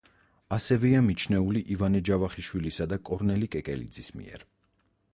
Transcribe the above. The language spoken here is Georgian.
ასევეა მიჩნეული ივანე ჯავახიშვილისა და კორნელი კეკელიძის მიერ.